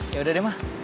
ya udah deh ma